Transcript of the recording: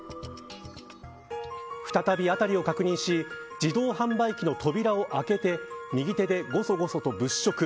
再び辺りを確認し自動販売機の扉を開けて右手でごそごそと物色。